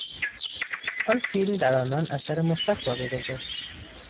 آن فیلم در آنان اثر مثبت باقی گذاشت.